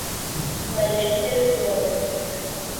Waelekezi wamefika